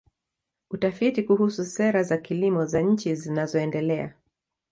Utafiti kuhusu sera za kilimo za nchi zinazoendelea.